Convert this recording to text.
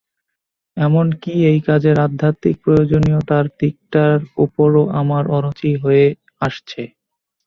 এমন কি, এই কাজের আধ্যাত্মিক প্রয়োজনীয়তার দিকটার ওপরও আমার অরুচি হয়ে আসছে।